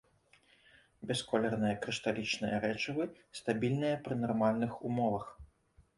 Бясколерныя крышталічныя рэчывы, стабільныя пры нармальных умовах.